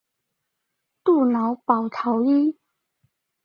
杜瑙保陶伊。